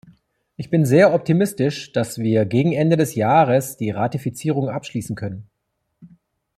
Ich bin sehr optimistisch, dass wir gegen Ende des Jahres die Ratifizierung abschließen können.